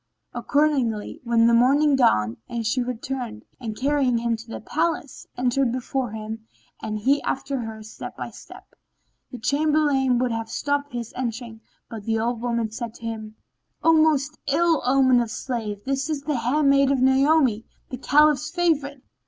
Accordingly, when the morning dawned, she returned and, carrying him to the palace, entered before him and he after her step by step. The Chamberlain would have stopped his entering, but the old woman said to him, "O most ill omened of slaves, this is the handmaid of Naomi, the Caliph's favourite.